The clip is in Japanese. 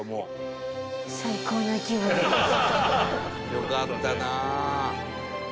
「よかったなあ」